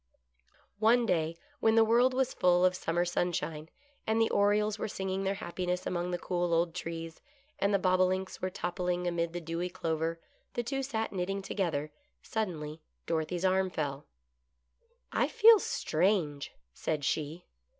One day, when the world was full of summer sunshine, and the orioles were singing their happiness among the cool old trees, and the bobolinks were toppling amid the GOOD LUCK. 53 dewy clover, the two sat knitting together. Suddenly Dorothy's arm fell. " I feel strange," said she.